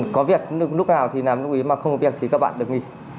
có việc lúc nào thì làm lúc ý mà không có việc thì các bạn được nghỉ